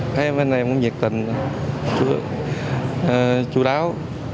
thấy anh em cũng nhiệt tình chú đáo